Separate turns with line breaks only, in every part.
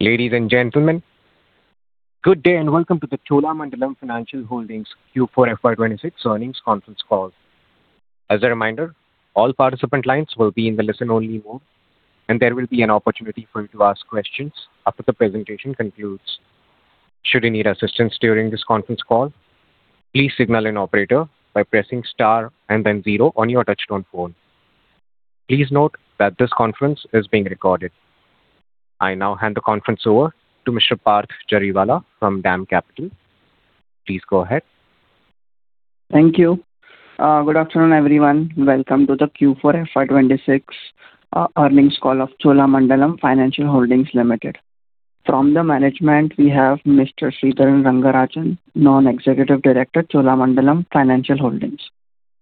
Ladies and gentlemen, good day and welcome to the Cholamandalam Financial Holdings Q4 FY 2026 earnings conference call. As a reminder, all participant lines will be in the listen only mode, and there will be an opportunity for you to ask questions after the presentation concludes. Should you need assistance during this conference call, please signal an operator by pressing star and then zero on your touchtone phone. Please note that this conference is being recorded. I now hand the conference over to Mr. Parth Jariwala from DAM Capital. Please go ahead.
Thank you. Good afternoon, everyone. Welcome to the Q4 FY 2026 earnings call of Cholamandalam Financial Holdings Limited. From the management, we have Mr. Sridharan Rangarajan, Non-Executive Director, Cholamandalam Financial Holdings.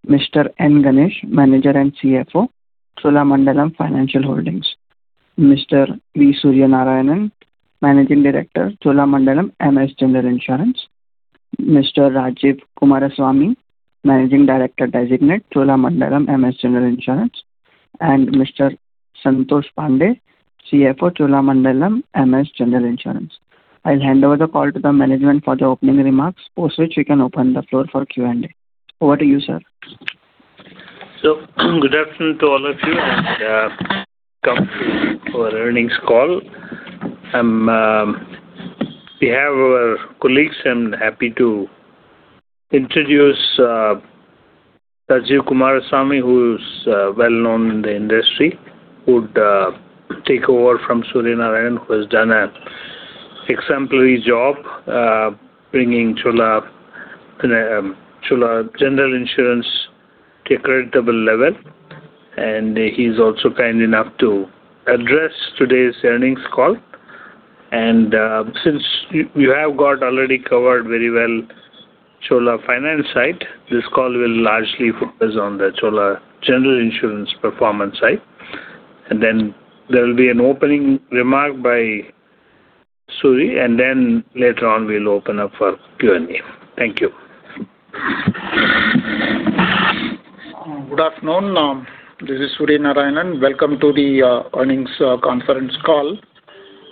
Mr. N. Ganesh, Manager and CFO, Cholamandalam Financial Holdings. Mr. V. Suryanarayanan, Managing Director, Cholamandalam MS General Insurance. Mr. Rajive Kumaraswami, Managing Director-Designate, Cholamandalam MS General Insurance. Mr. Santosh Pandey, CFO, Cholamandalam MS General Insurance. I'll hand over the call to the management for the opening remarks, post which we can open the floor for Q&A. Over to you, sir.
Good afternoon to all of you and welcome to our earnings call. We have our colleagues. I'm happy to introduce Rajive Kumaraswami, who's well-known in the industry, who would take over from Suryanarayanan, who has done an exemplary job bringing Cholamandalam MS General Insurance to a creditable level. He is also kind enough to address today's earnings call. Since we have got already covered very well Chola Finance side, this call will largely focus on the Cholamandalam MS General Insurance performance side. There will be an opening remark by Suri, and later on we'll open up for Q&A. Thank you.
Good afternoon. This is Suryanarayanan. Welcome to the earnings conference call.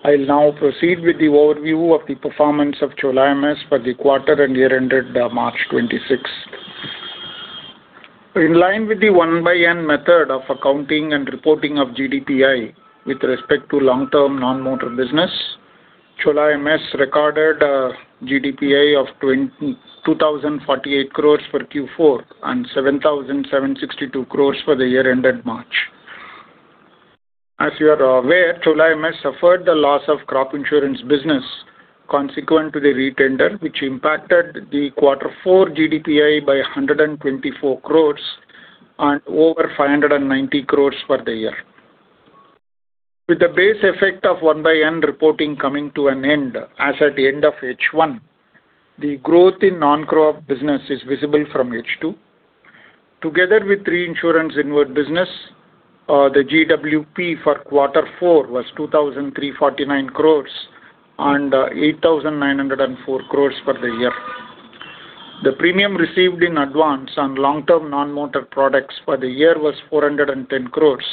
I'll now proceed with the overview of the performance of Chola MS for the quarter and year ended March 26. In line with the one-by-N method of accounting and reporting of GDPI with respect to long-term non-motor business, Chola MS recorded GDPI of 2,048 crores for Q4 and 7,762 crores for the year ended March. As you are aware, Chola MS suffered a loss of crop insurance business consequent to the retender, which impacted the quarter four GDPI by 124 crores and over 590 crores for the year. With the base effect of one-by-N reporting coming to an end as at the end of H1, the growth in non-crop business is visible from H2. Together with reinsurance inward business, the GWP for quarter four was 2,349 crores and 8,904 crores for the year. The premium received in advance on long-term non-motor products for the year was 410 crores,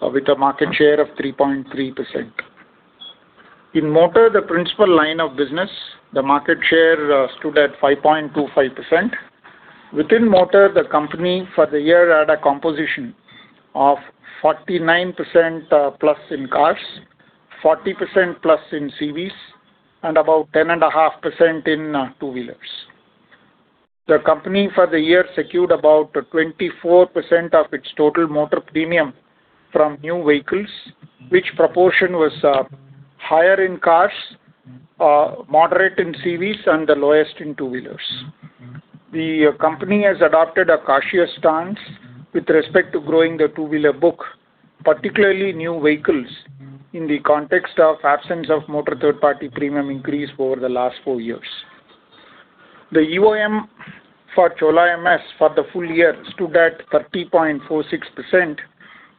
with a market share of 3.3%. In motor, the principal line of business, the market share stood at 5.25%. Within motor, the company for the year had a composition of 49%+ in cars, 40%+ in CVs, and about 10.5% in two-wheelers. The company for the year secured about 24% of its total motor premium from new vehicles, which proportion was higher in cars, moderate in CVs, and the lowest in two-wheelers. The company has adopted a cautious stance with respect to growing the two-wheeler book, particularly new vehicles, in the context of absence of motor third-party premium increase over the last four years. The EOM for Chola MS for the full year stood at 30.46%,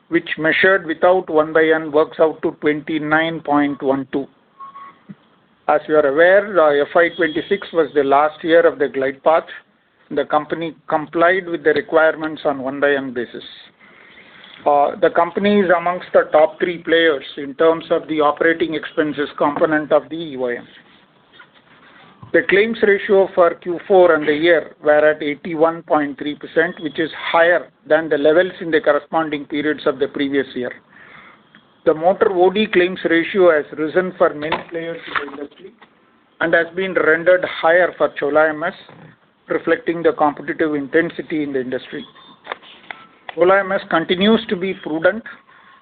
which measured without one-by-N works out to 29.12%. As you are aware, FY 2026 was the last year of the glide path. The company complied with the requirements on one-by-N basis. The company is amongst the top three players in terms of the operating expenses component of the EOM. The claims ratio for Q4 and the year were at 81.3%, which is higher than the levels in the corresponding periods of the previous year. The motor OD claims ratio has risen for many players in the industry and has been rendered higher for Chola MS, reflecting the competitive intensity in the industry. Chola MS continues to be prudent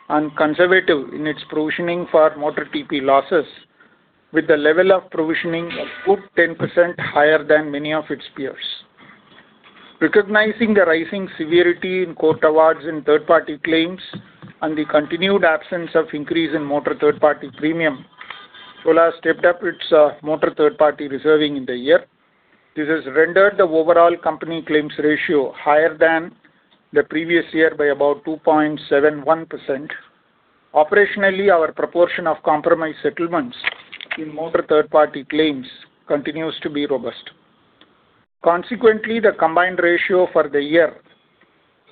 and conservative in its provisioning for motor TP losses, with the level of provisioning a good 10% higher than many of its peers. Recognizing the rising severity in court awards in third party claims and the continued absence of increase in motor third party premium, Chola has stepped up its motor third party reserving in the year. This has rendered the overall company claims ratio higher than the previous year by about 2.71%. Operationally, our proportion of compromise settlements in motor third-party claims continues to be robust. Consequently, the combined ratio for the year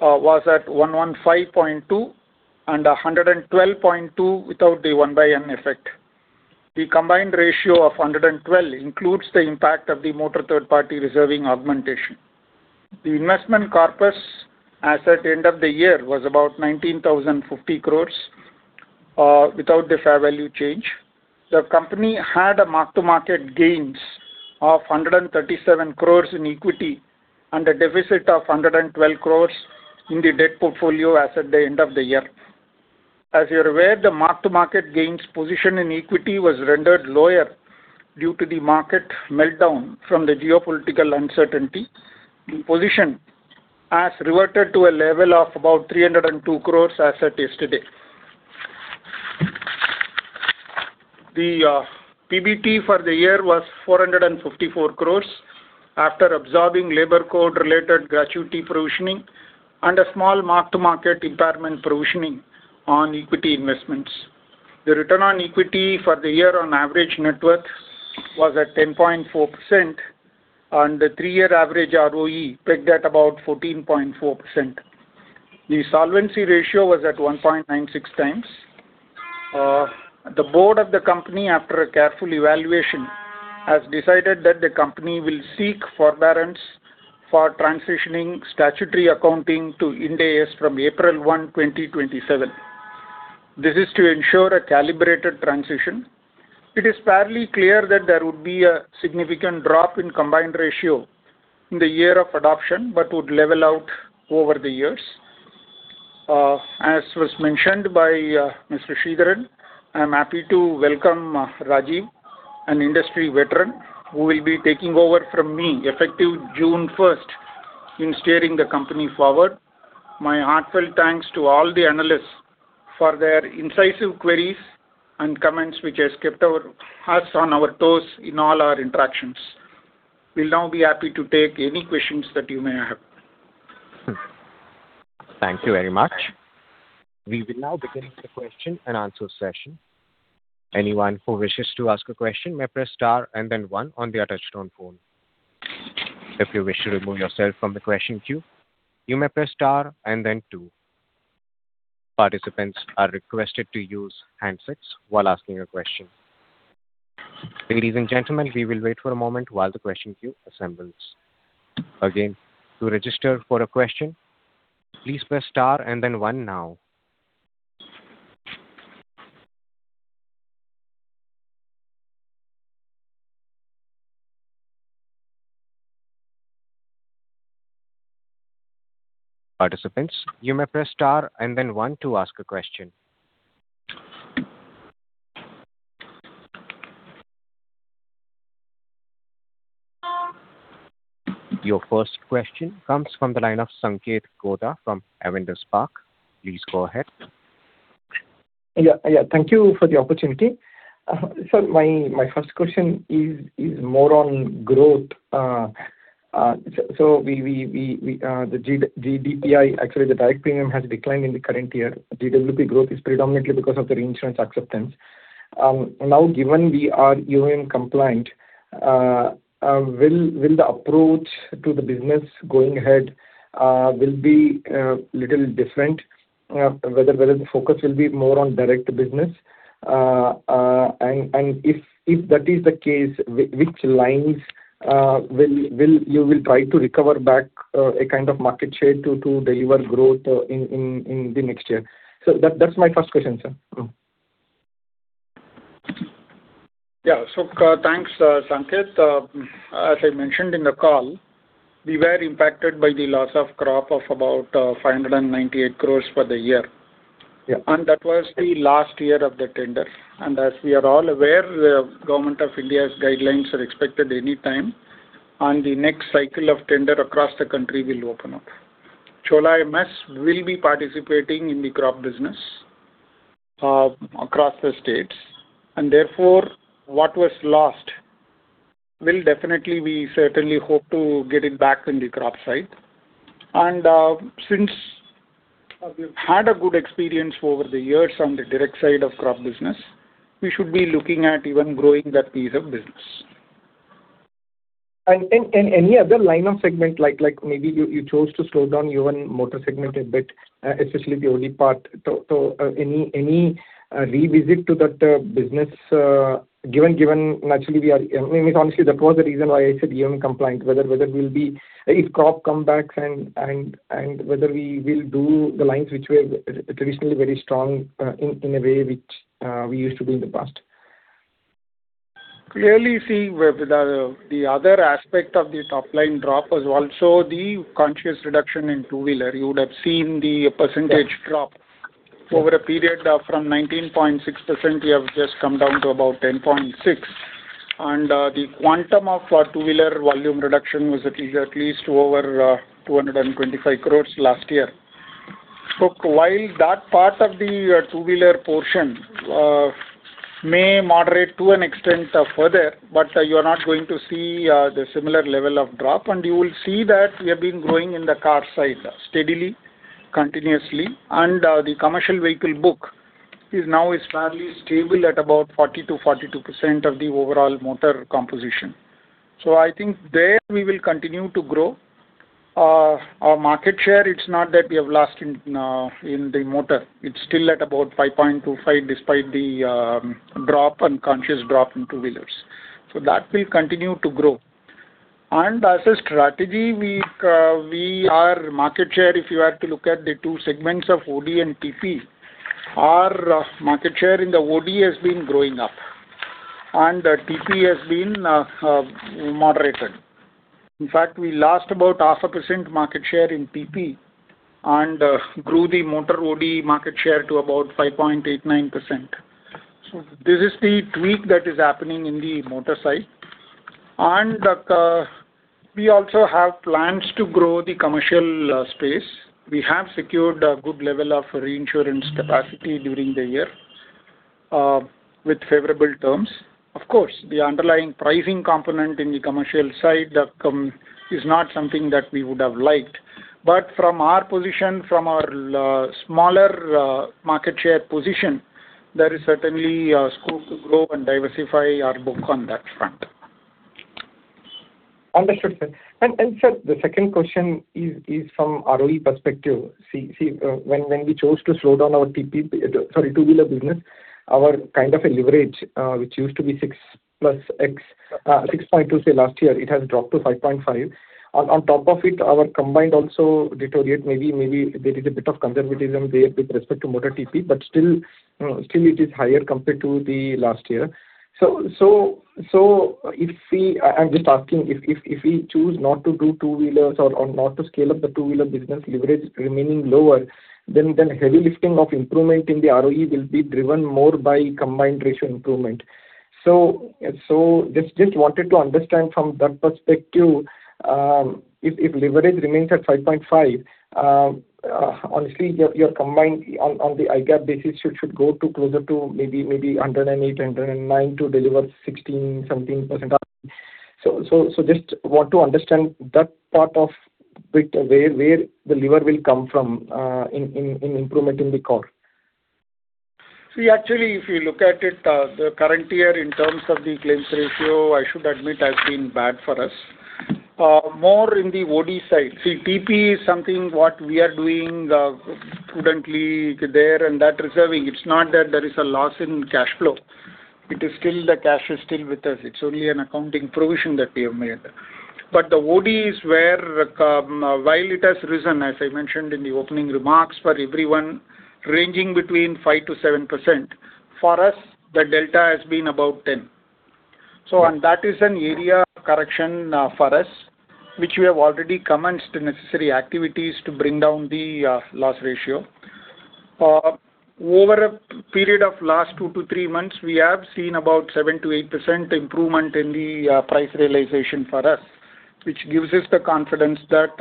was at 115.2 and 112.2 without the one-by-N effect. The combined ratio of 112 includes the impact of the motor third-party reserving augmentation. The investment corpus as at end of the year was about 19,050 crores without the fair value change. The company had a mark-to-market gains of 137 crores in equity and a deficit of 112 crores in the debt portfolio as at the end of the year. As you're aware, the mark-to-market gains position in equity was rendered lower due to the market meltdown from the geopolitical uncertainty. The position has reverted to a level of about 302 crores as at yesterday. The PBT for the year was 454 crores after absorbing labour codes related gratuity provisioning and a small mark-to-market impairment provisioning on equity investments. The return on equity for the year on average net worth was at 10.4% and the three-year average ROE pegged at about 14.4%. The solvency ratio was at 1.96x. The board of the company, after a careful evaluation, has decided that the company will seek forbearance for transitioning statutory accounting to Ind AS from April 1, 2027. This is to ensure a calibrated transition. It is fairly clear that there would be a significant drop in combined ratio in the year of adoption but would level out over the years. As was mentioned by Mr. Sridharan, I am happy to welcome Rajive, an industry veteran, who will be taking over from me effective June first in steering the company forward. My heartfelt thanks to all the analysts for their incisive queries and comments which has kept us on our toes in all our interactions. We'll now be happy to take any questions that you may have.
Thank you very much. We will now begin the question-and-answer session. Anyone who wishes to ask a question may press star and then one in your touchphone. If you wish to remove yourself from the question queue, you may press star and then two. Participants are requested to use handshakes while asking a question. Ladies and gentlemen, we will wait for a moment while the question queue assembles. To register for a question, please press star and then one now. Your first question comes from the line of Sanketh Godha from Avendus Spark. Please go ahead.
Yeah. Thank you for the opportunity. My first question is more on growth. We the GDPI, actually the direct premium has declined in the current year. GWP growth is predominantly because of the reinsurance acceptance. Now given we are even compliant, will the approach to the business going ahead will be little different? Whether the focus will be more on direct business? If that is the case, which lines will you will try to recover back a kind of market share to deliver growth in the next year? That's my first question, sir.
Yeah. Thanks, Sanketh. As I mentioned in the call, we were impacted by the loss of crop of about, 598 crores for the year.
Yeah.
That was the last year of the tender. As we are all aware, the Government of India's guidelines are expected any time, the next cycle of tender across the country will open up. Chola MS will be participating in the crop business across the states. Therefore what was lost will definitely, we certainly hope to get it back in the crop side. Since we've had a good experience over the years on the direct side of crop business, we should be looking at even growing that piece of business.
Any other line of segment, like maybe you chose to slow down even motor segment a bit, especially the OD part. Any revisit to that business? I mean, honestly, that was the reason why I said even compliant, whether it will be if crop comebacks and whether we will do the lines which were traditionally very strong, in a way which we used to do in the past?
Clearly see where the other aspect of the top-line drop was also the conscious reduction in two-wheeler. You would have seen the percentage drop over a period, from 19.6%, we have just come down to about 10.6%. The quantum of two-wheeler volume reduction was at least over 225 crores last year. While that part of the two-wheeler portion may moderate to an extent further, you are not going to see the similar level of drop. You will see that we have been growing in the car side steadily, continuously. The commercial vehicle book is now fairly stable at about 40%-42% of the overall motor composition. I think there we will continue to grow. Our market share, it's not that we have lost in the motor. It's still at about 5.25% despite the drop unconscious drop in two-wheelers. That will continue to grow. As a strategy, our market share, if you are to look at the two segments of OD and TP, our market share in the OD has been growing up and the TP has been moderated. In fact, we lost about half a percent market share in TP and grew the motor OD market share to about 5.89%. This is the tweak that is happening in the motor side. We also have plans to grow the commercial space. We have secured a good level of reinsurance capacity during the year with favorable terms. Of course, the underlying pricing component in the commercial side, is not something that we would have liked. From our position, from our, smaller, market share position, there is certainly, scope to grow and diversify our book on that front.
Understood, sir. Sir, the second question is from ROE perspective. When we chose to slow down our TP, sorry, two-wheeler business, our kind of a leverage, which used to be 6%+ x, 6.2%, say, last year, it has dropped to 5.5%. On top of it, our combined also deteriorate. Maybe there is a bit of conservatism there with respect to motor TP, but still it is higher compared to the last year. I'm just asking, if we choose not to do two-wheelers or not to scale up the two-wheeler business leverage remaining lower, heavy lifting of improvement in the ROE will be driven more by combined ratio improvement. Just wanted to understand from that perspective, if leverage remains at 5.5%, honestly, your combined on the IGAAP basis should go to closer to 108, 109 to deliver 16%-17%. Just want to understand that part of bit where the lever will come from in improvement in the core.
Actually, if you look at it, the current year in terms of the claims ratio, I should admit has been bad for us. More in the OD side. TP is something what we are doing prudently there and that reserving. It's not that there is a loss in cash flow. It is still the cash is still with us. It's only an accounting provision that we have made. The OD is where, while it has risen, as I mentioned in the opening remarks for everyone, ranging between 5%-7%, for us, the delta has been about 10%. That is an area of correction for us, which we have already commenced the necessary activities to bring down the loss ratio. Over a period of last two to three months, we have seen about 7%-8% improvement in the price realization for us, which gives us the confidence that,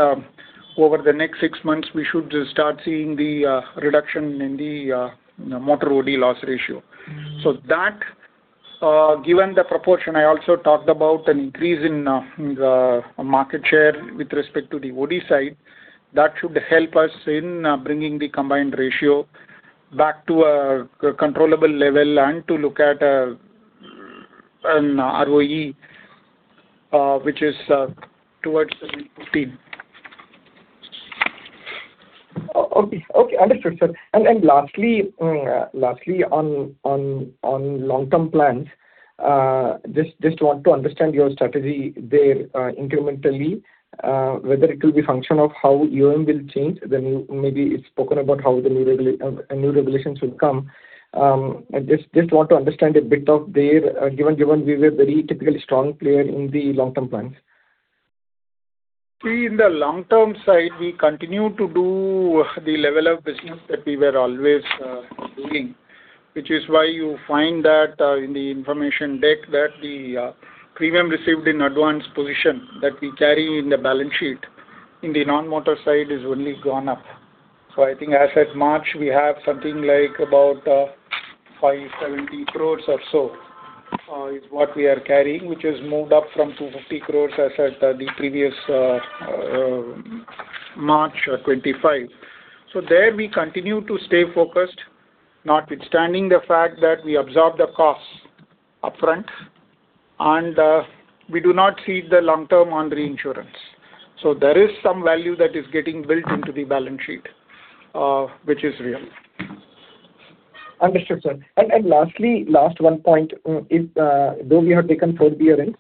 over the next six months, we should start seeing the reduction in the motor OD loss ratio. Given the proportion, I also talked about an increase in the market share with respect to the OD side. That should help us in bringing the combined ratio back to a controllable level and to look at an ROE which is towards 17%, 15%.
Okay. Okay, understood, sir. Lastly on long-term plans, just want to understand your strategy there, incrementally, whether it will be function of how UM will change, maybe it's spoken about how the new regulations will come. I just want to understand a bit of there, given we were very typically strong player in the long-term plans.
In the long-term side, we continue to do the level of business that we were always doing, which is why you find that in the information deck that the premium received in advance position that we carry in the balance sheet in the non-motor side is only gone up. I think as at March, we have something like about 570 crores or so is what we are carrying, which has moved up from 250 crores as at the previous March 2025. There we continue to stay focused notwithstanding the fact that we absorb the costs upfront and we do not cede the long term on reinsurance. There is some value that is getting built into the balance sheet which is real.
Understood, sir. Lastly, one point is, though we have taken forbearance,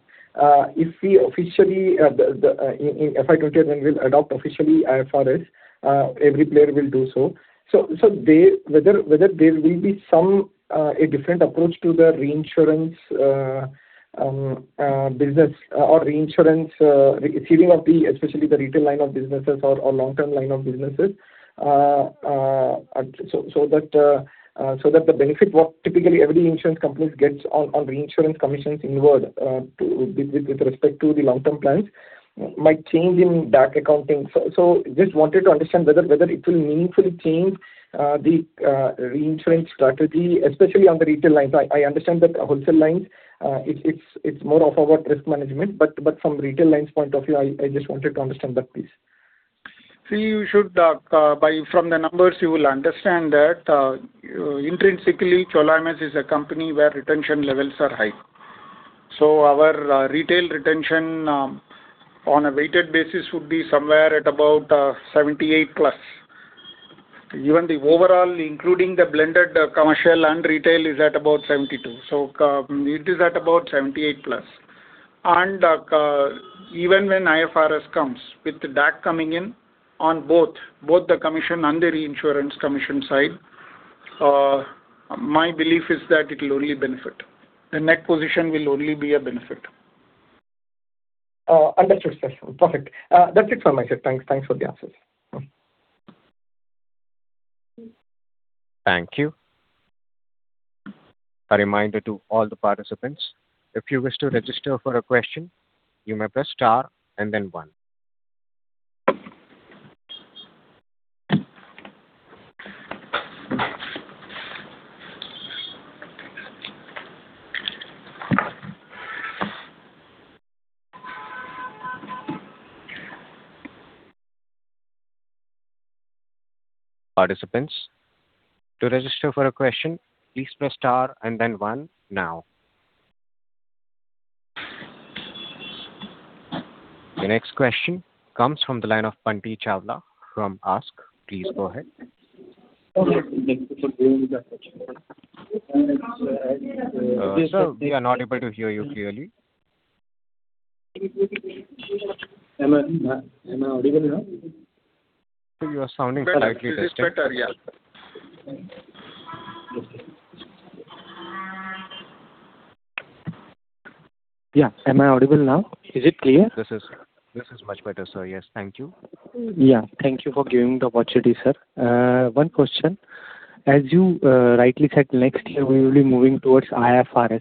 if we officially in FY 2023 will adopt officially IFRS, every player will do so. There, whether there will be some a different approach to the reinsurance business or reinsurance ceding of the, especially the retail line of businesses or long-term line of businesses, so that the benefit what typically every insurance companies gets on reinsurance commissions inward with respect to the long-term plans might change in that accounting. Just wanted to understand whether it will meaningfully change the reinsurance strategy, especially on the retail lines. I understand that wholesale lines, it's more of about risk management, but from retail lines point of view, I just wanted to understand that please.
See, you should from the numbers you will understand that intrinsically Chola MS is a company where retention levels are high. Our retail retention on a weighted basis would be somewhere at about 78+. Even the overall, including the blended commercial and retail is at about 72. It is at about 78+. Even when IFRS comes, with that coming in on both the commission and the reinsurance commission side, my belief is that it will only benefit. The net position will only be a benefit.
Understood, sir. Perfect. That's it from my side. Thanks. Thanks for the answers.
Thank you. A reminder to all the participants, if you wish to register for a question, you may press star and then one. Participants, to register for a question, please press star and then one now. The next question comes from the line of Kuldip Chawla from ASK. Please go ahead. Sir, we are not able to hear you clearly.
Am I audible now?
Sir, you are sounding slightly distant.
Better. This is better. Yeah.
Yeah. Am I audible now? Is it clear?
This is much better, sir. Yes. Thank you.
Yeah. Thank you for giving the opportunity, sir. One question. As you rightly said, next year we will be moving towards IFRS.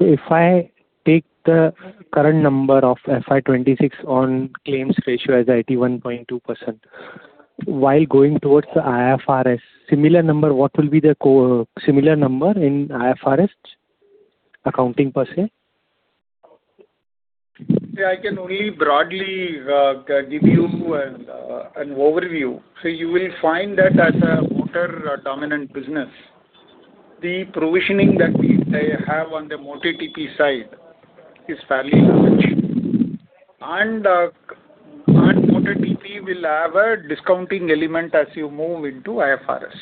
If I take the current number of FY 2026 on claims ratio as 81.2%, while going towards the IFRS similar number, what will be the similar number in IFRS accounting per se?
I can only broadly give you an overview. You will find that as a motor dominant business, the provisioning that they have on the motor TP side is fairly large. Motor TP will have a discounting element as you move into IFRS.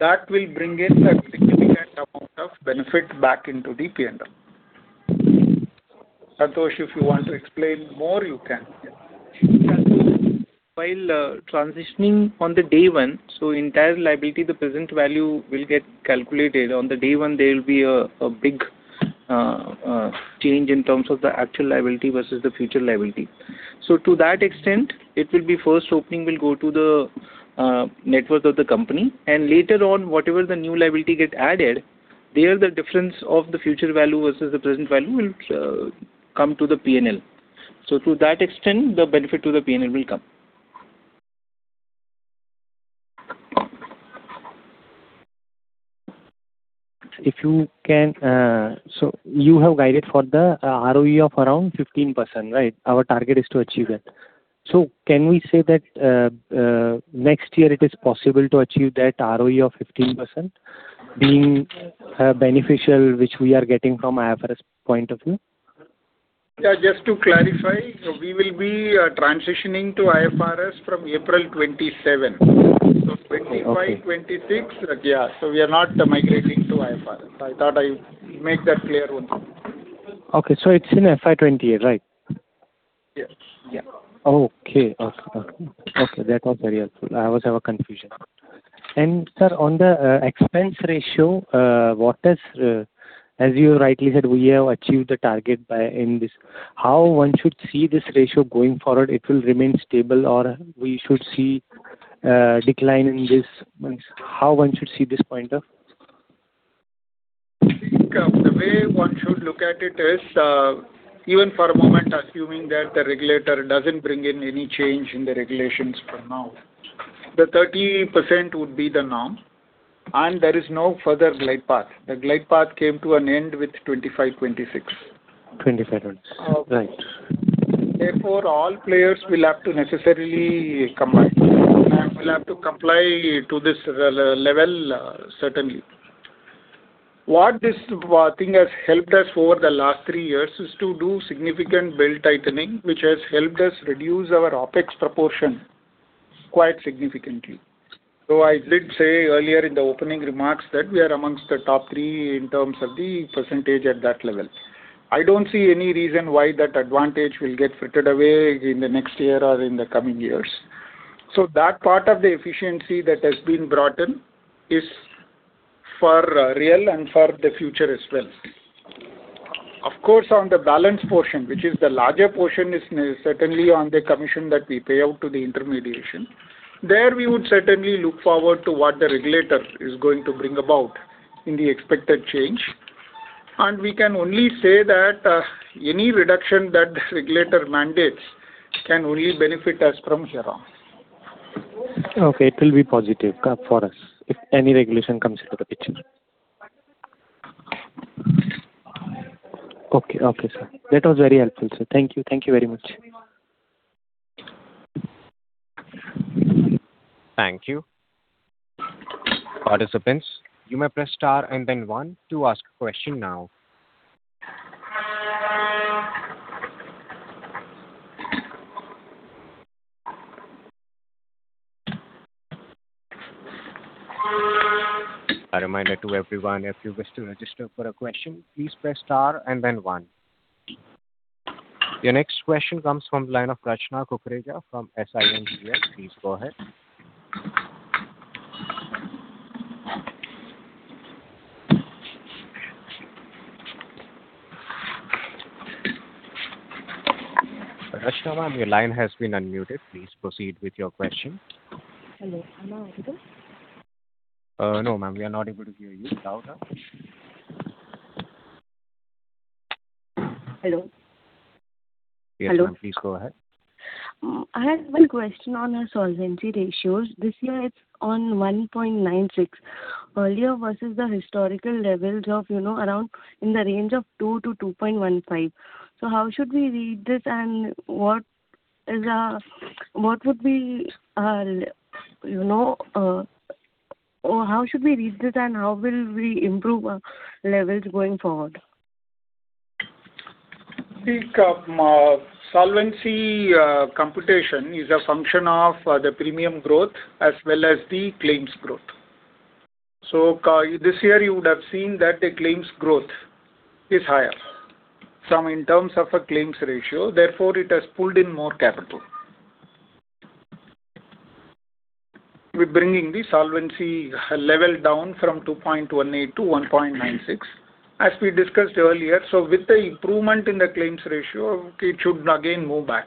That will bring in a significant amount of benefit back into the P&L. Santosh, if you want to explain more, you can.
Transitioning on the day one, the entire liability, the present value will get calculated. On the day one, there will be a big change in terms of the actual liability versus the future liability. To that extent, it will be first opening will go to the net worth of the company, and later on, whatever the new liability get added, there the difference of the future value versus the present value will come to the P&L. To that extent, the benefit to the P&L will come.
If you can, so you have guided for the ROE of around 15%, right? Our target is to achieve that. Can we say that next year it is possible to achieve that ROE of 15% being beneficial, which we are getting from IFRS point of view?
Just to clarify, we will be transitioning to IFRS from April 27.
Okay.
2025, 2026, yeah, so we are not migrating to IFRS. I thought I make that clear once.
Okay. It's in FY 2028, right?
Yes. Yeah.
Okay. Okay. Okay. That was very helpful. I was have a confusion. Sir, on the expense ratio, what is, as you rightly said, we have achieved the target by in this. How one should see this ratio going forward, it will remain stable or we should see decline in this? How one should see this point of?
The way one should look at it is, even for a moment assuming that the regulator doesn't bring in any change in the regulations for now, the 30% would be the norm, and there is no further glide path. The glide path came to an end with 2025, 2026.
2025, right.
Therefore, all players will have to necessarily comply. Will have to comply to this level, certainly. What this thing has helped us over the last three years is to do significant belt-tightening, which has helped us reduce our OpEx proportion quite significantly. I did say earlier in the opening remarks that we are amongst the top three in terms of the percentage at that level. I don't see any reason why that advantage will get frittered away in the next year or in the coming years. That part of the efficiency that has been brought in is for real and for the future as well. Of course, on the balance portion, which is the larger portion, is certainly on the commission that we pay out to the intermediation. There we would certainly look forward to what the regulator is going to bring about in the expected change. We can only say that any reduction that the regulator mandates can only benefit us from here on.
Okay. It will be positive for us if any regulation comes into the picture. Okay, okay, sir. That was very helpful, sir. Thank you. Thank you very much.
Thank you. Your next question comes from the line of Rachna Kukreja from SiMPL. Please go ahead.
Hello. Am I audible?
No, ma'am, we are not able to hear you.
Hello? Hello.
Yes, ma'am, please go ahead.
I have one question on the solvency ratios. This year it's on 1.96 earlier versus the historical levels of, you know, around in the range of 2-2.15. How should we read this and how will we improve our levels going forward?
See, solvency computation is a function of the premium growth as well as the claims growth. This year you would have seen that the claims growth is higher from in terms of a claims ratio, therefore it has pulled in more capital. We're bringing the solvency level down from 2.18 to 1.96, as we discussed earlier. With the improvement in the claims ratio, it should again move back.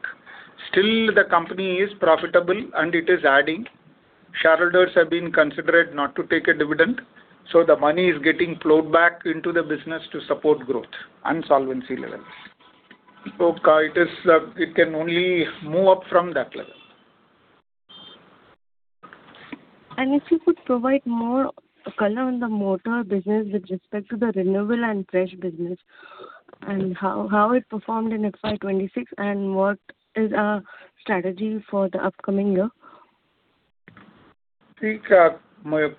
Still the company is profitable and it is adding. Shareholders have been considerate not to take a dividend, so the money is getting flowed back into the business to support growth and solvency levels. It is, it can only move up from that level.
If you could provide more color on the motor business with respect to the renewable and fresh business and how it performed in FY 2026 and what is our strategy for the upcoming year?
See, move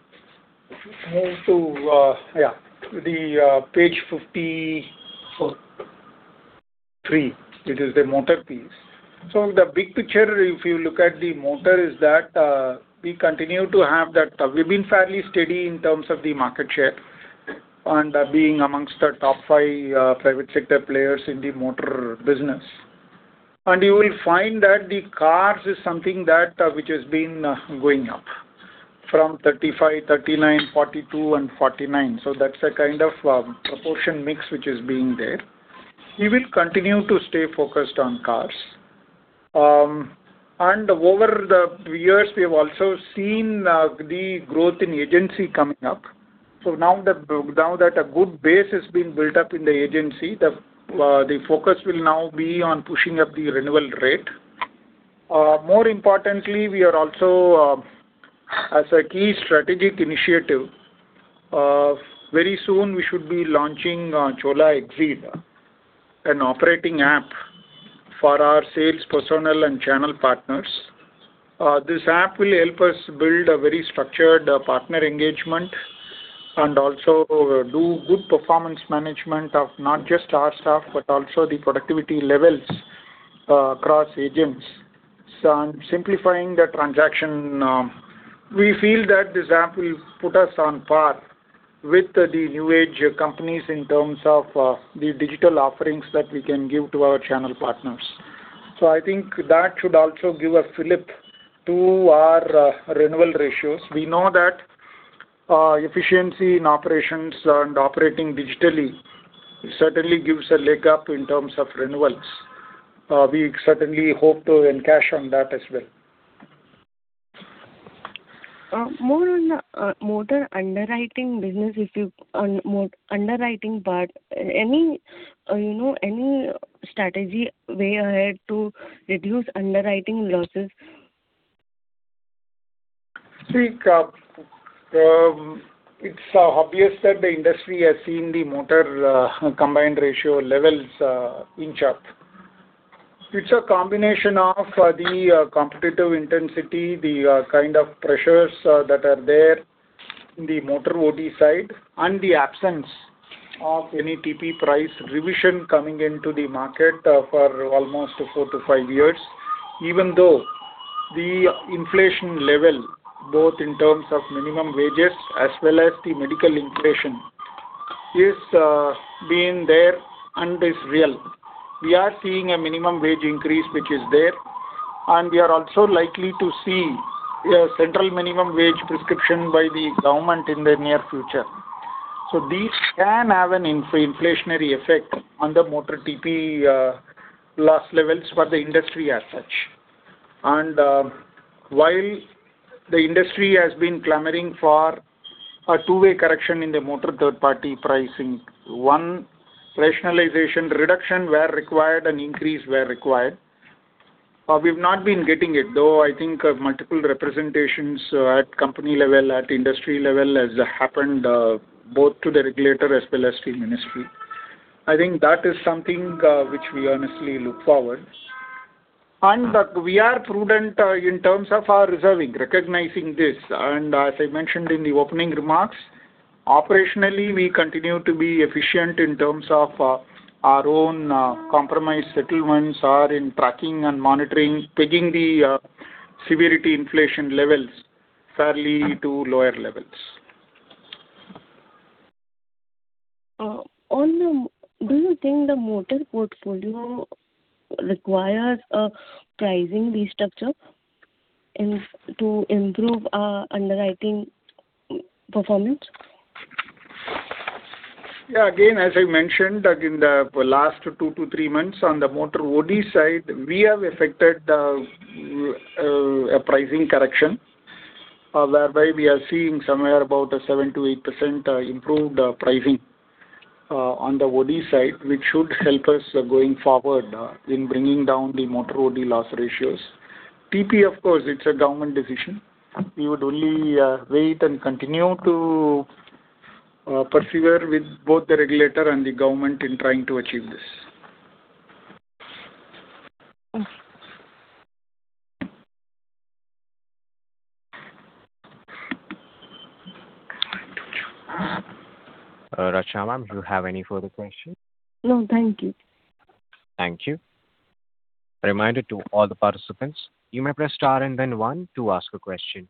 to page 53. It is the motor piece. The big picture, if you look at the motor, is that we continue to have that. We've been fairly steady in terms of the market share and being amongst the top five private sector players in the motor business. You will find that the cars is something that which has been going up from 35, 39, 42 and 49. That's a kind of proportion mix which is being there. We will continue to stay focused on cars. Over the years we have also seen the growth in agency coming up. Now that a good base has been built up in the agency, the focus will now be on pushing up the renewal rate. More importantly, we are also, as a key strategic initiative, very soon we should be launching Chola Exceed, an operating app for our sales personnel and channel partners. This app will help us build a very structured partner engagement and also do good performance management of not just our staff, but also the productivity levels across agents. On simplifying the transaction, we feel that this app will put us on par with the new age companies in terms of the digital offerings that we can give to our channel partners. I think that should also give a fillip to our renewal ratios. We know that efficiency in operations and operating digitally certainly gives a leg up in terms of renewals. We certainly hope to encash on that as well.
More on the motor underwriting business, on more underwriting part, any, you know, any strategy way ahead to reduce underwriting losses?
See, it's obvious that the industry has seen the motor combined ratio levels inch up. It's a combination of the competitive intensity, the kind of pressures that are there in the motor OD side, and the absence of any TP price revision coming into the market for almost four to five years. Even though the inflation level, both in terms of minimum wages as well as the medical inflation, is being there and is real. We are seeing a minimum wage increase which is there, and we are also likely to see a central minimum wage prescription by the government in the near future. These can have an inflationary effect on the motor TP loss levels for the industry as such. While the industry has been clamoring for a two-way correction in the motor third party pricing, one rationalization reduction where required and increase where required. We've not been getting it, though I think multiple representations at company level, at industry level has happened, both to the regulator as well as to ministry. I think that is something which we honestly look forward. We are prudent in terms of our reserving, recognizing this. As I mentioned in the opening remarks, operationally, we continue to be efficient in terms of our own compromise settlements or in tracking and monitoring, pegging the severity inflation levels fairly to lower levels.
Do you think the motor portfolio requires a pricing restructure to improve underwriting performance?
Yeah. Again, as I mentioned, like in the last two to three months on the motor OD side, we have affected a pricing correction, whereby we are seeing somewhere about a 7%-8% improved pricing on the OD side, which should help us going forward in bringing down the motor OD loss ratios. TP, of course, it's a government decision. We would only wait and continue to persevere with both the regulator and the government in trying to achieve this.
Okay.
Rachna, do you have any further questions?
No, thank you.
Thank you. A reminder to all the participants, you may press star and then one to ask a question.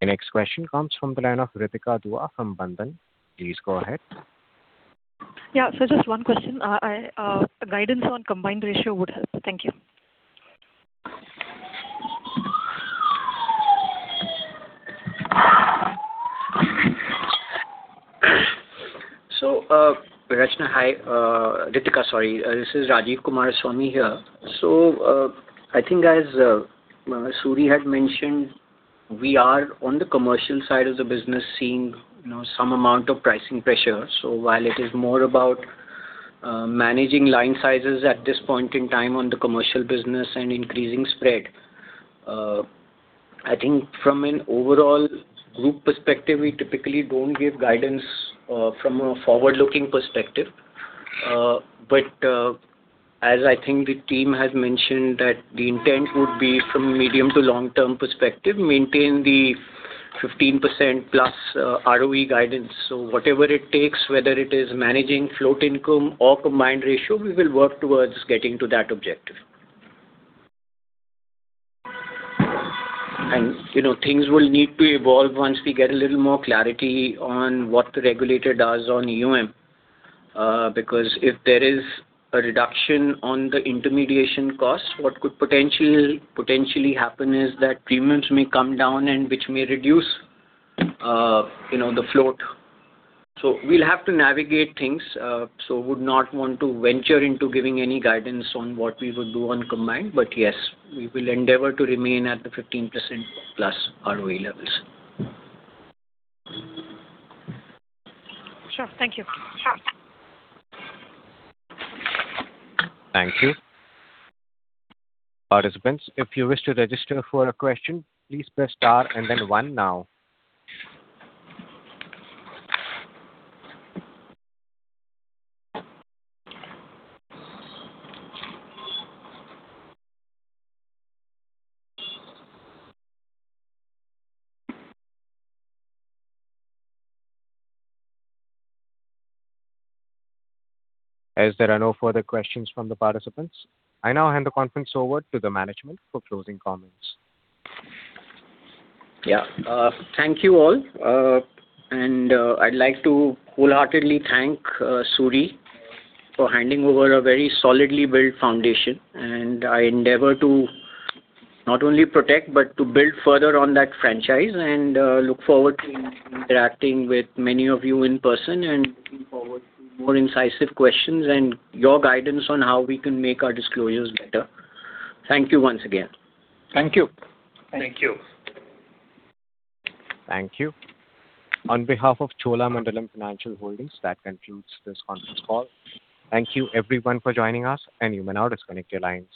The next question comes from the line of Ritika Dua from Bandhan. Please go ahead.
Yeah. Just one question. Guidance on combined ratio would help. Thank you.
Rachna, hi. Ritika, sorry. This is Rajive Kumaraswami here. I think as Suri had mentioned, we are on the commercial side of the business seeing, you know, some amount of pricing pressure. While it is more about managing line sizes at this point in time on the commercial business and increasing spread, I think from an overall group perspective, we typically don't give guidance from a forward-looking perspective. As I think the team has mentioned that the intent would be from medium to long-term perspective, maintain the 15%+ ROE guidance. Whatever it takes, whether it is managing float income or combined ratio, we will work towards getting to that objective. You know, things will need to evolve once we get a little more clarity on what the regulator does on UM. Because if there is a reduction on the intermediation costs, what could potentially happen is that premiums may come down and which may reduce, you know, the float. We'll have to navigate things, would not want to venture into giving any guidance on what we would do on combined. Yes, we will endeavor to remain at the 15%+ ROE levels.
Sure. Thank you. Sure.
Thank you. As there are no further questions from the participants, I now hand the conference over to the management for closing comments.
Yeah. Thank you all. I'd like to wholeheartedly thank Suri for handing over a very solidly built foundation, and I endeavor to not only protect, but to build further on that franchise and look forward to interacting with many of you in person and looking forward to more incisive questions and your guidance on how we can make our disclosures better. Thank you once again.
Thank you.
Thank you.
Thank you. On behalf of Cholamandalam Financial Holdings, that concludes this conference call. Thank you everyone for joining us, and you may now disconnect your lines.